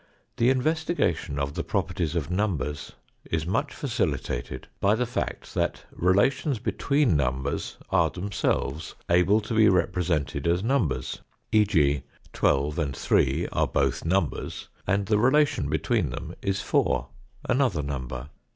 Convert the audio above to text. The investigation of the properties of numbers is much facilitated by the fact that relations between numbers are themselves able to be represented as numbers e.g., 12, and 3 are both numbers, and the relation between them is 4, another number.